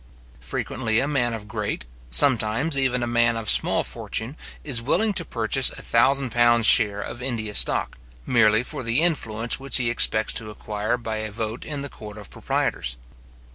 Frequently a man of great, sometimes even a man of small fortune, is willing to purchase a thousand pounds share in India stock, merely for the influence which he expects to aquire by a vote in the court of proprietors.